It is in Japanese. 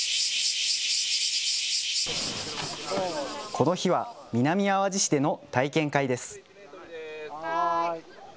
この日は、南あわじ市での体験会です。